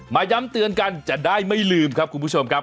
ย้ำเตือนกันจะได้ไม่ลืมครับคุณผู้ชมครับ